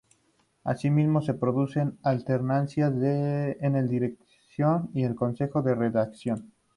Asimismo se producen alternancias en la Dirección y en el Consejo de Redacción.